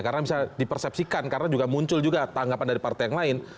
karena bisa dipersepsikan karena muncul juga tanggapan dari partai yang lain